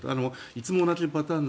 いつも同じパターン。